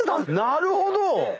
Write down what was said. なるほど。